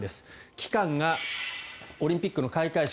期間がオリンピックの開会式